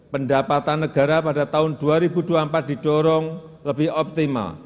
pendapatan negara pada tahun dua ribu dua puluh empat didorong lebih optimal